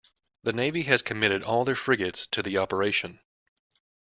The Navy has committed all their frigates to the operation.